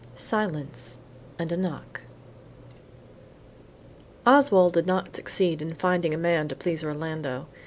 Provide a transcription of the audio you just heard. SILENCE AND A KNOCK Oswald did not succeed in finding a man to please Orlando.